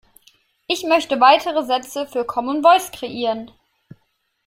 Ich möchte weitere Sätze für Common Voice kreieren.